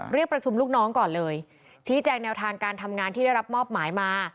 เรียกประชุมลูกน้องก่อนเลยชี้แจงแนวทางการทำงานที่ได้รับมอบหมายมา